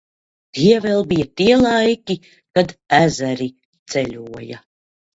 Tie vēl bija tie laiki, kad ezeri ceļoja.